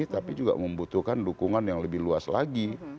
tapi juga membutuhkan dukungan yang lebih luas lagi